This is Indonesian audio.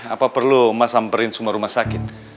apa perlu mas samperin semua rumah sakit